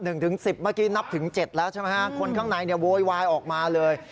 เมื่อกี้นับถึง๗แล้วใช่ไหมฮะคนข้างในเนี่ยโวยวายออกมาเลย